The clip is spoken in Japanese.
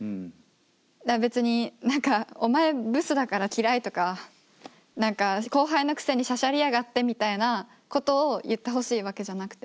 別に何かお前ブスだから嫌いとか何か後輩のくせにしゃしゃりやがってみたいなことを言ってほしいわけじゃなくて。